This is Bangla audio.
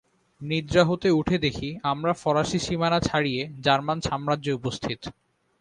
নিদ্রা হতে উঠে দেখি, আমরা ফরাসী সীমানা ছাড়িয়ে জার্মান সাম্রাজ্যে উপস্থিত।